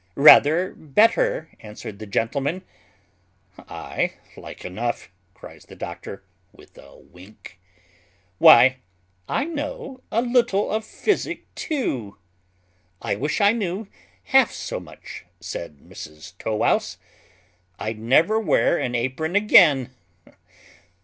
"Rather better," answered the gentleman. "Aye, like enough," cries the doctor, with a wink. "Why, I know a little of physic too." "I wish I knew half so much," said Tow wouse, "I'd never wear an apron again."